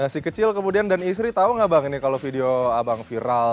si kecil kemudian dan istri tahu nggak bang ini kalau video abang viral